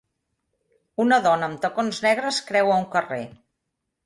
Una dona amb tacons negres creua un carrer.